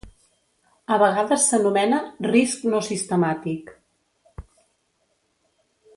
A vegades s'anomena "risc no sistemàtic".